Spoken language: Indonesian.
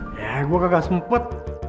ya gue kagak sempet